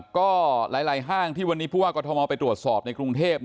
ก็หลายห้างที่วันนี้ผู้ว่ากรทมไปตรวจสอบในกรุงเทพ